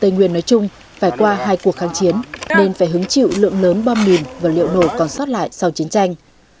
tây nguyên nói chung phải qua hai cuộc kháng chiến nên phải hứng chịu lượng lớn bom mìn và liệu nổ còn sót lại sau chiến tranh